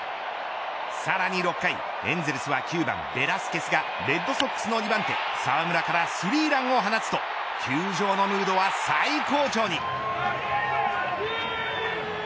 さらに６回、エンゼルスは９番ベラスケスがレッドソックスの２番手澤村からスリーランを放つと球場のムードは最高潮に。